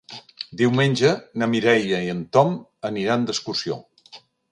Diumenge na Mireia i en Tom aniran d'excursió.